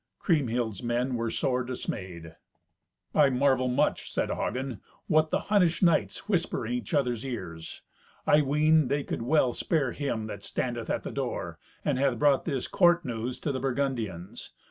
Kriemhild's men were sore dismayed. "I marvel much," said Hagen, "what the Hunnish knights whisper in each other's ears. I ween they could well spare him that standeth at the door, and hath brought this court news to the Burgundians.